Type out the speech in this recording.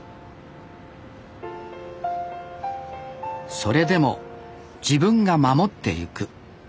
それでも自分が守っていく。